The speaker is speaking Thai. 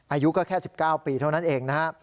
อายุก็แค่๑๙ปีเท่านั้นเองนะฮะ